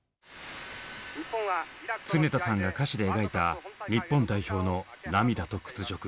常田さんが歌詞で描いた日本代表の涙と屈辱。